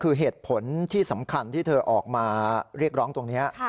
คือเหตุผลที่สำคัญที่เธอออกมาเรียกร้องตรงนี้